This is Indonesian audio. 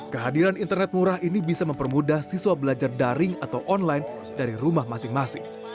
kehadiran internet murah ini bisa mempermudah siswa belajar daring atau online dari rumah masing masing